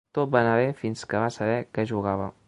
Tot va anar bé fins que va saber que jugava.